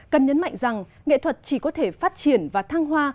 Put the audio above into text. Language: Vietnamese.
cần nhấn mạnh rằng nghệ thuật chỉ có thể phát triển và thăng hoa